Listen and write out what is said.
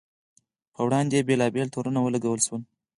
پر وړاندې یې بېلابېل تورونه ولګول شول.